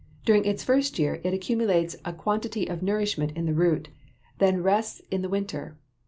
During its first year it accumulates a quantity of nourishment in the root, then rests in the winter.